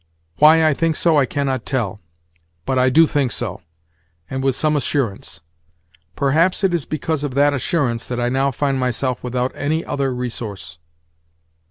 Why I think so I cannot tell, but I do think so, and with some assurance. Perhaps it is because of that assurance that I now find myself without any other resource."